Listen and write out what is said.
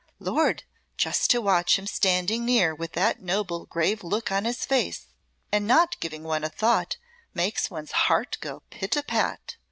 "Lord! just to watch him standing near with that noble grave look on his face, and not giving one a thought, makes one's heart go pit a pat.